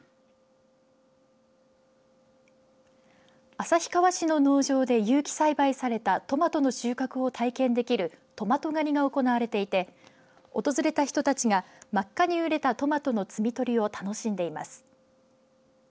旭川市の農場で有機栽培されたトマトの収穫を体験できるトマト狩りが行われていて訪れた人たちが真っ赤に熟れたトマトの摘み取りを楽しんでいます。